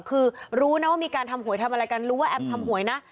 คือรู้นะว่ามีการทำหวยทำอะไรกันรู้ว่าแอมทำหวยนะ